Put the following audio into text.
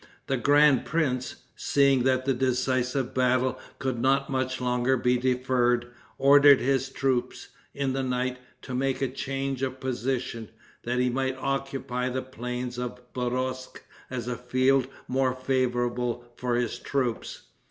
The grand prince, seeing that the decisive battle could not much longer be deferred, ordered his troops, in the night, to make a change of position, that he might occupy the plains of Borosk as a field more favorable for his troops.